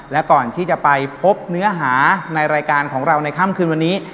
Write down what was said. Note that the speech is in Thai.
และก่อนที่จะไปพบเนื้อหาในรายการของเราในค่ำคืนวันนี้